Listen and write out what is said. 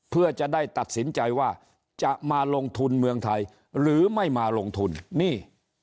เพื่อจะได้ตัดสินใจว่าจะมาลงทุนเมืองไทยหรือไม่มาลงทุนนี่